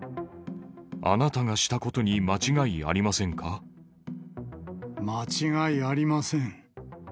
あなたがしたことに間違いあ間違いありません。